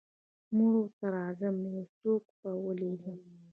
مرو ته راځم او یو څوک به ولېږم.